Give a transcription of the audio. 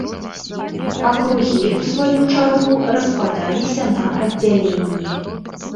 Акругі, у сваю чаргу, распадаліся на аддзяленні.